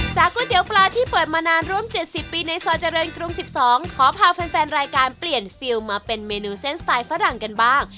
ก๋วยเตี๋ยวปลาที่เปิดมานานร่วม๗๐ปีในซอยเจริญกรุง๑๒ขอพาแฟนรายการเปลี่ยนฟิลมาเป็นเมนูเส้นสไตล์ฝรั่งกันบ้าง